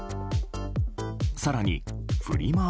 更にフリマ